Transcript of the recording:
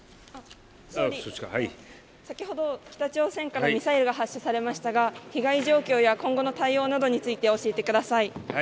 先ほど北朝鮮からミサイルが発射されましたが被害状況や今後の対応などについて教えてください。